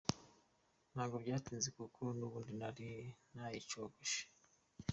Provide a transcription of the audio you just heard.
Ntabwo byatinze kuko n’ubundi nari nayicogoje.